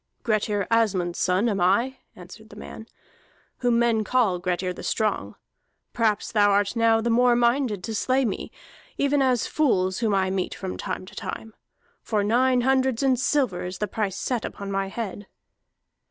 "Grettir Asmund's son am I," answered the man, "whom men call Grettir the Strong. Perhaps thou art now the more minded to slay me, even as fools whom I meet from time to time. For nine hundreds in silver is the price set upon my head."